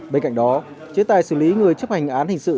bên cạnh đó chế tài xử lý người chấp hành án hình sự